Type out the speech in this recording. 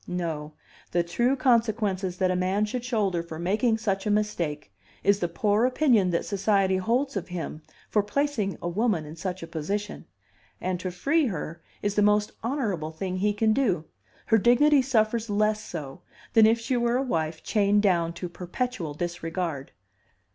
No: the true consequences that a man should shoulder for making such a mistake is the poor opinion that society holds of him for placing a woman in such a position; and to free her is the most honorable thing he can do. Her dignity suffers less so than if she were a wife chained down to perpetual disregard."